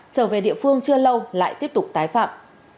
trở về địa phương chưa lâu lại tiếp tục tái phạm